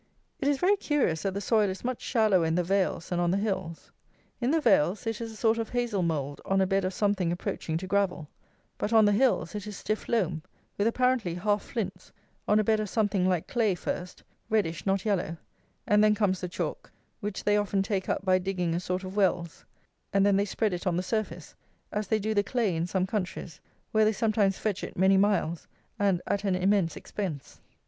It is very curious that the soil is much shallower in the vales than on the hills. In the vales it is a sort of hazle mould on a bed of something approaching to gravel; but on the hills it is stiff loam, with apparently half flints, on a bed of something like clay first (reddish, not yellow), and then comes the chalk, which they often take up by digging a sort of wells; and then they spread it on the surface, as they do the clay in some countries, where they sometimes fetch it many miles and at an immense expense.